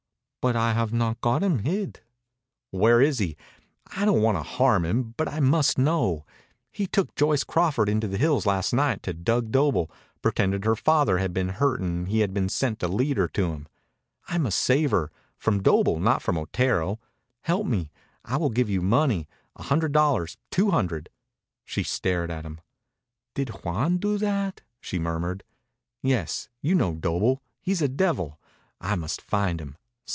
"But I have not got him hid." "Where is he? I don't want to harm him, but I must know. He took Joyce Crawford into the hills last night to Dug Doble pretended her father had been hurt and he had been sent to lead her to him. I must save her from Doble, not from Otero. Help me. I will give you money a hundred dollars, two hundred." She stared at him. "Did Juan do that?" she murmured. "Yes. You know Doble. He's a devil. I must find him